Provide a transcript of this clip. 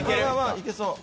いけそう。